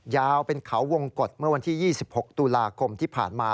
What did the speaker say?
ยาวเป็นเขาวงกฎเมื่อวันที่๒๖ตุลาคมที่ผ่านมา